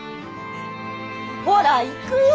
ほら行くよ！